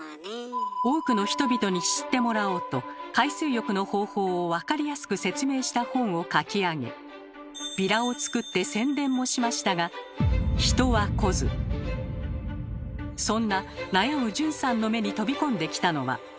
多くの人々に知ってもらおうと海水浴の方法をわかりやすく説明した本を書き上げビラを作って宣伝もしましたがそんな悩む順さんの目に飛び込んできたのは。